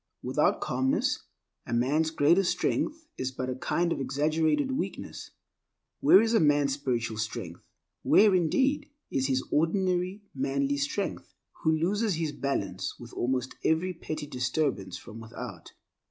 Without calmness a man's greatest strength is but a kind of exaggerated weakness. Where is a man's spiritual strength—where indeed, is his ordinary manly strength— who loses his balance with almost every petty disturbance from without?